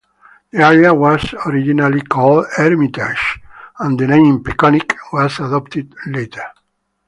The area was originally called "Hermitage", and the name "Peconic" was adopted later.